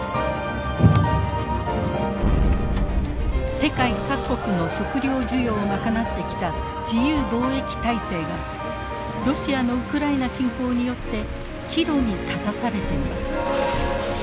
世界各国の食料需要を賄ってきた自由貿易体制がロシアのウクライナ侵攻によって岐路に立たされています。